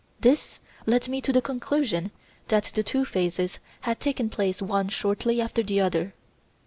This led me to the conclusion that the two phases had taken place one shortly after the other.